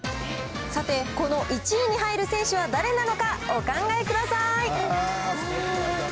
さて、この１位に入る選手は誰なのか、お考えください。